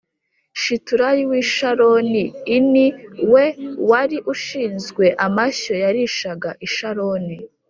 Shiturayi w i Sharoni i ni we wari ushinzwe amashyo yarishaga i Sharoni